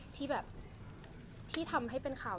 ที่แบบที่ทำให้เป็นข่าว